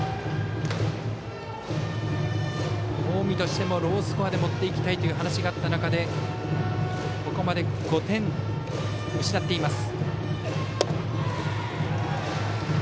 近江としてもロースコアで持っていきたいという話があった中でここまで５点失っています。